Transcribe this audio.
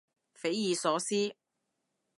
匪夷所思